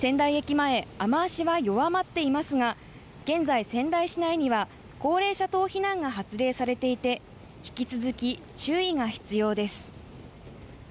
前雨脚は弱まっていますが現在、仙台市内には高齢者等避難が発令されていて引き続き、注意が必要です。